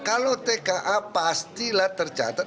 kalau tka pastilah tercabar